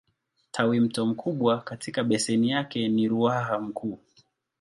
Tawimto mkubwa katika beseni yake ni Ruaha Mkuu.